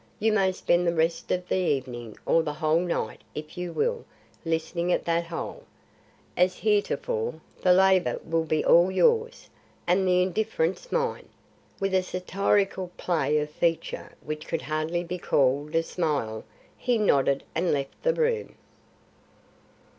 You may spend the rest of the evening or the whole night, if you will, listening at that hole. As heretofore, the labour will be all yours, and the indifference mine." With a satirical play of feature which could hardly be called a smile, he nodded and left the room.